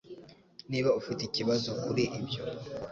Niba ufite ikibazo kuri ibyo